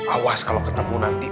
awas kalau ketemu nanti